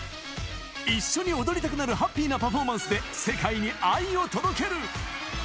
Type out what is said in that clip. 一緒に踊りたくなるハッピーなパフォーマンスで世界に愛を届ける。